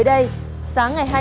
có gì em vây mườn